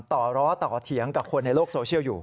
ต่อล้อต่อเถียงกับคนในโลกโซเชียลอยู่